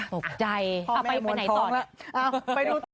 โปรดติดตามตอนต่อไป